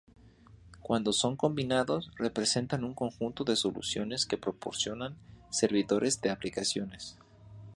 Cuando son combinados, representan un conjunto de soluciones que proporcionan servidores de aplicaciones.